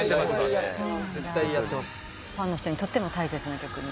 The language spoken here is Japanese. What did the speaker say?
ファンの人にとっても大切な曲に。